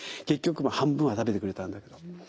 結局半分は食べてくれたんだけど。